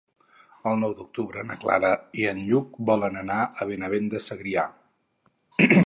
El nou d'octubre na Clara i en Lluc volen anar a Benavent de Segrià.